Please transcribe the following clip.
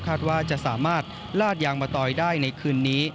ว่าจะสามารถลาดยางมะตอยได้ในคืนนี้